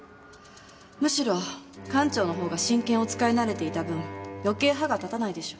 むしろ館長のほうが真剣を使い慣れていた分余計歯が立たないでしょう。